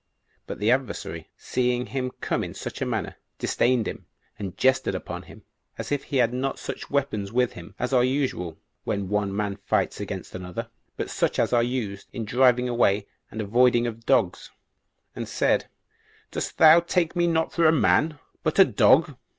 But the adversary seeing him come in such a manner, disdained him, and jested upon him, as if he had not such weapons with him as are usual when one man fights against another, but such as are used in driving away and avoiding of dogs; and said, "Dost thou take me not for a man, but a dog?"